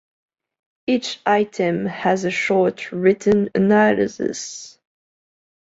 Each item has a short written analysis.